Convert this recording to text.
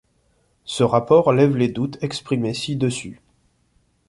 Ce rapport lève les doutes exprimés ci-dessus.